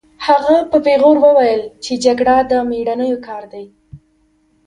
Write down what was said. هغه په پیغور وویل چې جګړه د مېړنیو کار دی